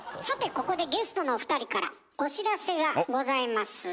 さてここでゲストの２人からお知らせがございます。